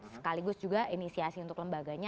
sekaligus juga inisiasi untuk lembaganya